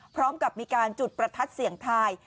พร้อมกับมีการจุดประทัดเสี่ยงทาย